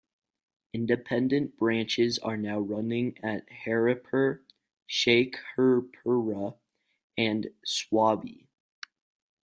Independent branches are now running at Haripur, Sheikhupura and Swabi.